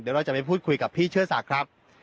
เดี๋ยวเราจะไปพูดคุยกับพี่เชื่อศักดิ์ครับ